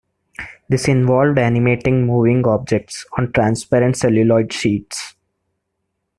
This involved animating moving objects on transparent celluloid sheets.